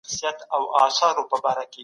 که ملي یووالی وي هېڅ دښمن موږ نه سي ماتولی.